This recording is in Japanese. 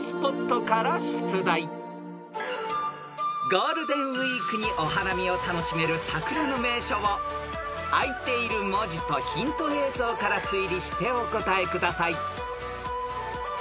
［ゴールデンウィークにお花見を楽しめる桜の名所を開いている文字とヒント映像から推理してお答えください］